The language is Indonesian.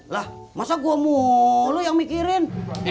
lah masa gua mau lu yang mikirin